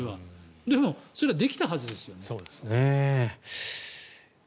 でもそれはできたはずですよね。